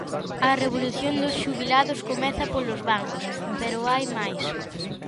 A revolución dos xubilados comeza polos bancos, pero hai máis.